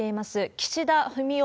岸田文雄